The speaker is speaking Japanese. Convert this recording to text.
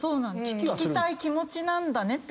聞きたい気持ちなんだねって返す。